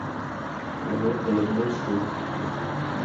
لاہور قلندرز کے